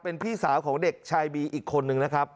เป็นพี่สาวของเด็กชายบีอีกคนนึงนะครับ